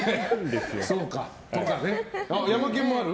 ヤマケンもある？